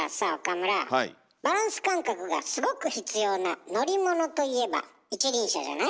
バランス感覚がすごく必要な乗り物といえば一輪車じゃない？